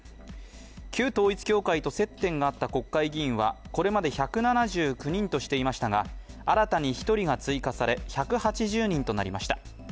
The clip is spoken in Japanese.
旧統一教会と接点があった国会議員はこれまで１７９人としていましたが、新たに１人が追加され１８０人となりました。